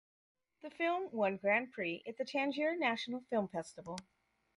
The film won Grand Prix at the Tangier National Film Festival.